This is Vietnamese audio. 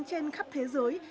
trên khắp thế giới